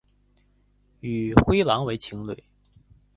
与灰狼为情侣。